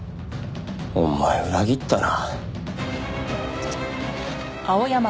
お前裏切ったな。